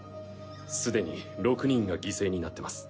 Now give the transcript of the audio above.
すでに６人が犠牲になってます。